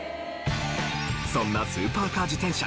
そんなスーパーカー自転車